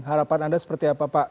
harapan anda seperti apa pak